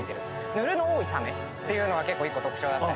ヌルの多いサメっていうのが一個特徴だったりして。